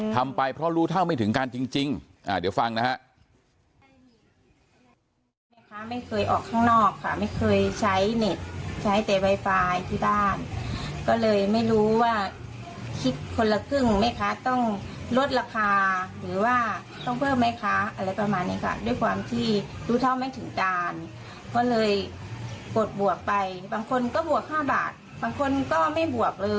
ทำไปเพราะรู้เท่าไม่ถึงการจริงเดี๋ยวฟังนะฮะ